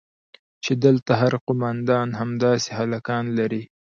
چې دلته هر قومندان همداسې هلکان لري.